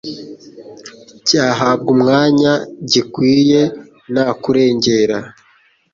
Cyahabwa umwanya gikwiye nta kurengera